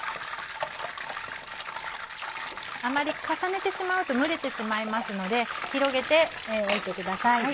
あまり重ねてしまうと蒸れてしまいますので広げて置いてください。